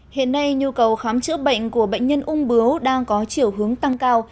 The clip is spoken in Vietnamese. hiện nay nhu cầu khám chữa bệnh của bệnh nhân ung bướu đang có chiều hướng tăng cao